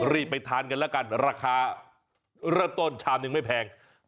ไปทานกันแล้วกันราคาเริ่มต้นชามหนึ่งไม่แพง